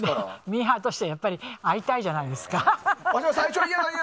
ミーハーとして会いたいじゃないですか。